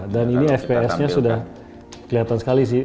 dan ini fps nya sudah kelihatan sekali sih